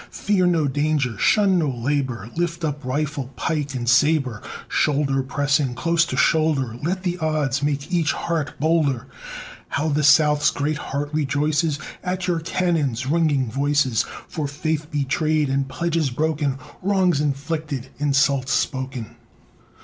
Fear no danger! Shun no labor! Lift up rifle, pike, and sabre! Shoulder pressing close to shoulder, Let the odds make each heart bolder! How the South's great heart rejoices At your cannons' ringing voices! For faith betrayed, and pledges broken, Wrongs inflicted, insults spoken.